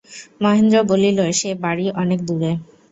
মহেন্দ্র বলিল, সে বাড়ি অনেক দূরে।